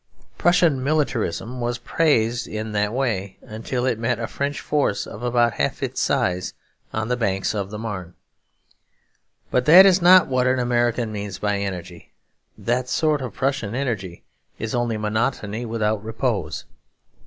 Prussian militarism was praised in that way until it met a French force of about half its size on the banks of the Marne. But that is not what an American means by energy; that sort of Prussian energy is only monotony without repose.